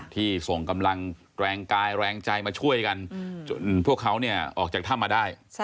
ที่ส่งกำลังแรงกายแรงใจมาช่วยกันจนพวกเขาออกจากถ้ำมาได้